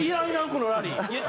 このラリー。